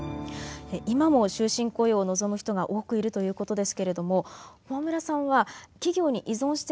今も終身雇用を望む人が多くいるということですけれども駒村さんは企業に依存してきた社会の仕組み